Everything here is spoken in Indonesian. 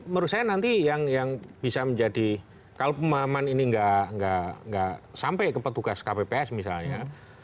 menurut saya nanti yang bisa menjadi kalau pemahaman ini nggak sampai ke petugas kpps misalnya